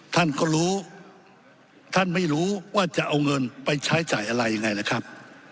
ท่านก็รู้ท่านไม่รู้ว่าจะเอาเงินไปใช้จ่ายอะไรยังไงนะครับ